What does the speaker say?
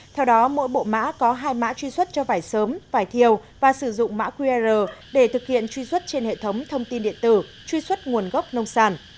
theo đó mỗi bộ mã có hai mã truy xuất cho vải sớm vải thiều và sử dụng mã qr để thực hiện truy xuất trên hệ thống thông tin điện tử truy xuất nguồn gốc nông sản